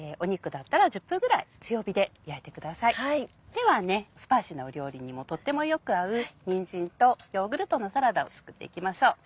ではスパイシーな料理にもとってもよく合うにんじんとヨーグルトのサラダを作っていきましょう。